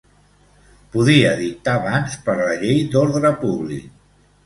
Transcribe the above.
Podia dictar bans per la Llei d'Ordre Públic.